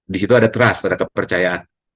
di situ ada trust terhadap kepercayaan